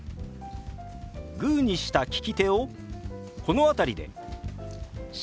グーにした利き手をこの辺りで下に動かします。